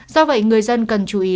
do vậy người dân cần chú ý